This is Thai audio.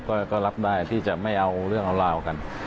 ก็รับได้ที่จะไม่เอาเรื่องเอาราวกัน